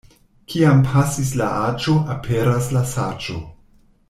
Kiam pasis la aĝo, aperas la saĝo.